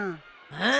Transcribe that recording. えっ？